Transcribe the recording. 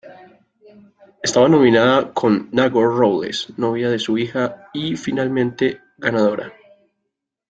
Estaba nominada con Nagore Robles, novia de su hija, y finalmente ganadora.